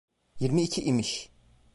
Yirmi iki imiş.